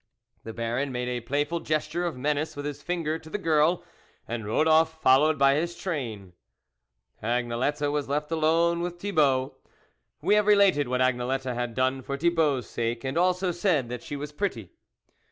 The Baron made a playful gesture of menace with his finger to the girl, and rode off followed by his train. Agnelette was left alone with Thibault. We have related what Agnelette had done for Thibault's sake, and also said that she was pretty.